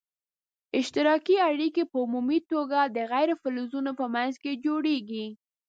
اشتراکي اړیکي په عمومي توګه د غیر فلزونو په منځ کې جوړیږي.